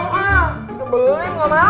sebeling gak mau